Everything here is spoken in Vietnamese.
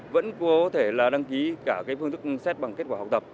vẫn có thể đăng ký cả phương thức xét bằng kết quả học tập